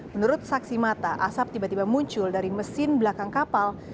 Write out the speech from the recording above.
menurut saksi mata asap tiba tiba muncul dari mesin belakang kapal